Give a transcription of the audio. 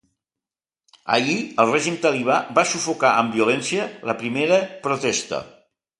Ahir, el règim talibà va sufocar amb violència la primera protesta.